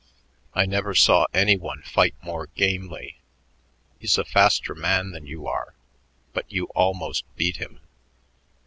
I never saw any one fight more gamely. He's a faster man than you are, but you almost beat him.